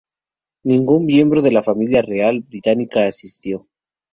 Ningún miembro de la familia real británica asistió.